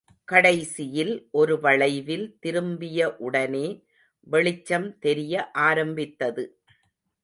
கடைசியில், ஒரு வளைவில் திரும்பிய உடனே வெளிச்சம் தெரிய ஆரம்பித்தது.